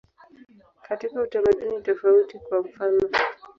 Katika utamaduni tofauti, kwa mfanof.